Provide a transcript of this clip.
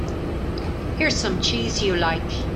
Here's some cheese you like.